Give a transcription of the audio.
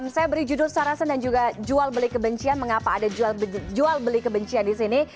saya beri judul sarasen dan juga jual beli kebencian mengapa ada jual beli kebencian di sini